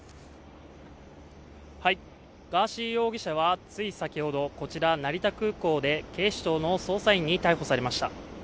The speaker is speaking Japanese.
ガーシー容疑者はつい先ほどこちら、成田空港で警視庁の捜査員に逮捕されました。